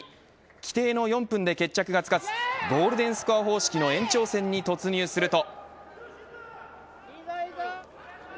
規定の４分で決着がつかずゴールデンスコア方式の延長戦に突入すると。